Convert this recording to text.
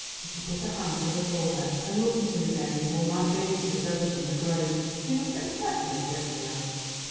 and she put her hand to her forehead and looked at him again as one might gaze at a ghost from the grave. "Did you not expect me?" Geoffrey asked.